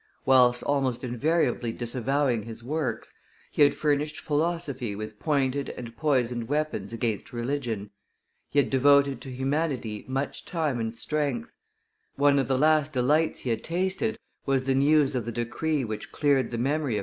Whilst almost invariably disavowing his works, he had furnished philosophy with pointed and poisoned weapons against religion; he had devoted to humanity much time and strength; one of the last delights he had tasted was the news of the decree which cleared the memory of M.